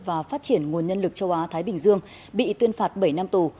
và phát triển nguồn nhân lực châu á thái bình dương bị tuyên phạt bảy năm tù